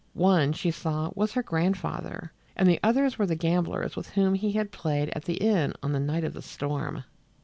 One, she saw, was her grandfather, and the others were the gamblers with whom he had played at the inn on the night of the storm.